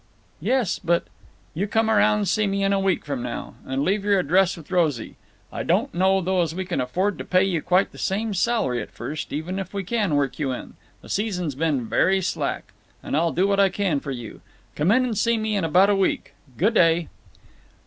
"Yes, but—" "You come around and see me a week from now. And leave your address with Rosey. I don't know, though, as we can afford to pay you quite the same salary at first, even if we can work you in—the season's been very slack. But I'll do what I can for you. Come in and see me in about a week. Goo' day."